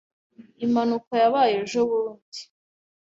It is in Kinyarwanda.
Impanuka yabaye ejobundi.